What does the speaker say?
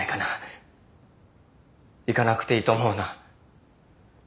行かなくていいと思うな。